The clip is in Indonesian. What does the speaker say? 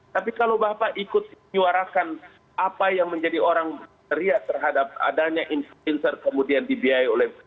tapi kalau bapak ikut menyuarakan apa yang menjadi orang teriak terhadap adanya influencer kemudian dibiayai oleh